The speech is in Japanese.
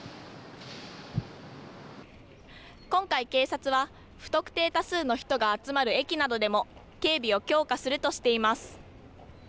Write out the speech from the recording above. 今回警察は不特定多数の人が集まる駅などでも警備を強化するとしています。